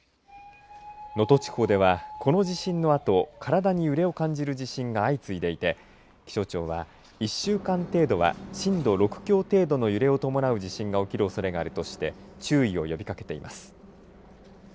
能登地方ではこの地震のあと体に揺れを感じる地震が相次いでいて気象庁は１週間程度は震度６強程度の揺れを伴う地震が起きるおそれがあるとして注意を呼びかけています。